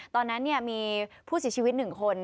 ตอนนั้นเนี่ยมีผู้สิทธิ์ชีวิตหนึ่งคน